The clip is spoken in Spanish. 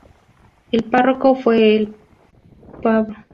El Párroco fue el Pbro.